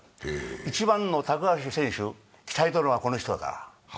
１番の高橋選手、鍛えてるのはこの人だから。